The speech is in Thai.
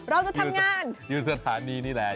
เราจะทำงานอยู่สถานีนี่แหละ